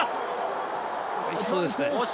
いきそうですね。